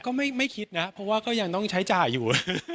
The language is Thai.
ก็ไม่คิดนะเพราะว่าก็ยังต้องใช้จ่ายอยู่